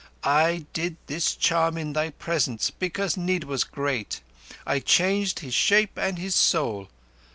I did this charm in thy presence because need was great. I changed his shape and his soul.